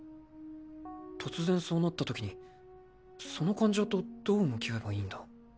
突然そうなったときにその感情とどう向き合えばいいんだ。